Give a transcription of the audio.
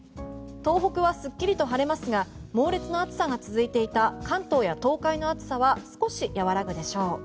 東北はすっきりと晴れますが猛烈な暑さが続いていた関東や東海の暑さは少し和らぐでしょう。